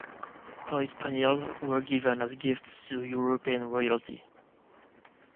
Toy spaniels were given as gifts to European royalty.